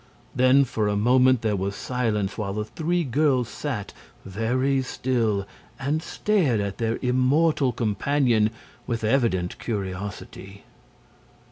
Then for a moment there was silence, while the three girls sat very still and stared at their immortal companion with evident curiosity.